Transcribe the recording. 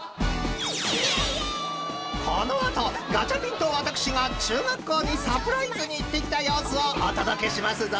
［この後ガチャピンと私が中学校にサプライズに行ってきた様子をお届けしますぞ！］